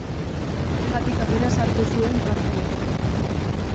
Horregatik apenas hartu zuen parte gerran.